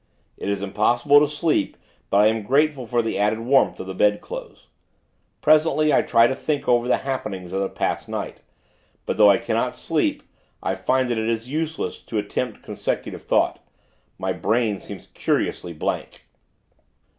It is impossible to sleep; but I am grateful for the added warmth of the bedclothes. Presently, I try to think over the happenings of the past night; but, though I cannot sleep, I find that it is useless, to attempt consecutive thought. My brain seems curiously blank.